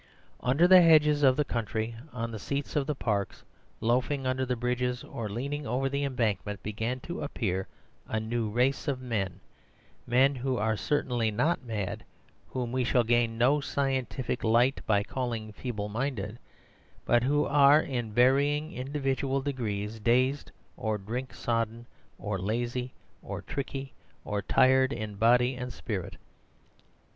Under the hedges of the country, on the seats of the parks, loafing under the bridges or leaning over the Embankment, began to appear a new race of men men who are certainly not mad, whom we shall gain no scientific light by calling feeble minded, but who are, in varying individual degrees, dazed or drink sodden, or lazy or tricky or tired in body and spirit.